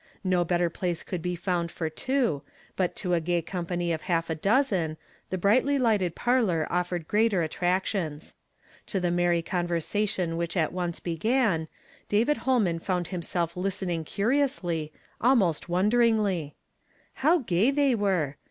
No better place could be found for two, but to a gay company of half a dozen, the brightly lighted parlor offered greater attractions. To the merry convei sation which at once began, David Hohnan found him self listening curiously, almost wonderingly. till 1^ i |i 198 YESTERDAY FRAMED IN TO DAY. How gay they were